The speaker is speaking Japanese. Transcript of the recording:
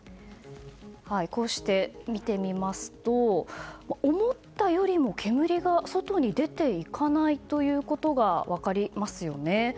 こうして見てみますと思ったよりも煙が外に出て行かないということが分かりますよね。